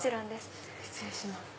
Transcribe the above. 失礼します。